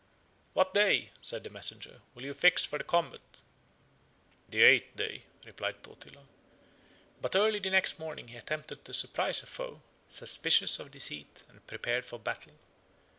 "What day," said the messenger, "will you fix for the combat?" "The eighth day," replied Totila; but early the next morning he attempted to surprise a foe, suspicious of deceit, and prepared for battle.